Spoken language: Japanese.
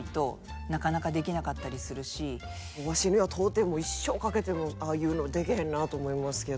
ワシには到底一生かけてもああいうのできへんなと思いますけど。